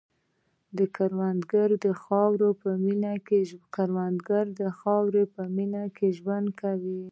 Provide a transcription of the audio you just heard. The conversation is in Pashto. کروندګر د خاورې په مینه کې ژوند کوي